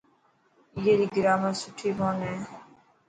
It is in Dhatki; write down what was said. اي ري گرامر سڻي ڪون هي.